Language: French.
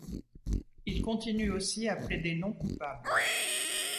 Il continue aussi à plaider non coupable.